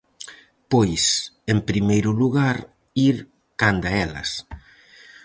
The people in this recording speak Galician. Pois, en primeiro lugar, ir canda elas.